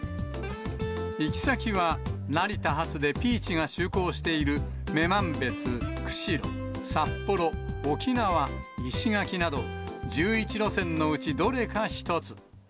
行き先は、成田発でピーチが就航している女満別、釧路、札幌、沖縄、石垣など、１１路線のうちどれか１つ。